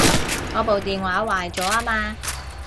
我部電話壞咗吖嘛